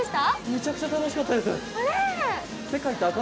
めちゃくちゃ楽しかったです。